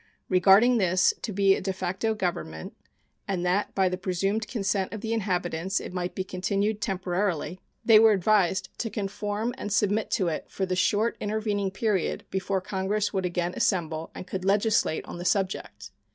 Regarding this to be a de facto government, and that by the presumed consent of the inhabitants it might be continued temporarily, they were advised to conform and submit to it for the short intervening period before Congress would again assemble and could legislate on the subject.